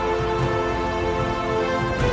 sampai jumpa lagi